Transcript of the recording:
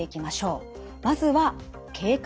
まずは経過です。